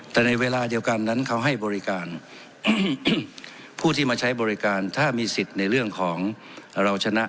แต่ในเวลาเดียวกันนั้นเขาให้บริการผู้ที่มาใช้บริการถ้ามีสิทธิ์ในเรื่องของเราชนะ